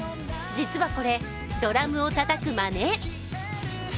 実はこれ、ドラムをたたく真似。